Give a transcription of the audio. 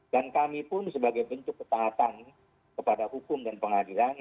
dan kami pun sebagai bentuk ketahatan kepada hukum dan pengadilan